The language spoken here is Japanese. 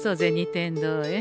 天堂へ。